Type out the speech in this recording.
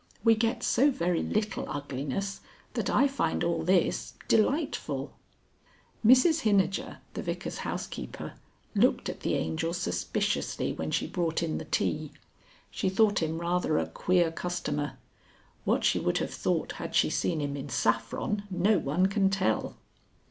We get so very little ugliness, that I find all this ... delightful." Mrs Hinijer, the Vicar's housekeeper, looked at the Angel suspiciously when she brought in the tea. She thought him rather a "queer customer." What she would have thought had she seen him in saffron no one can tell.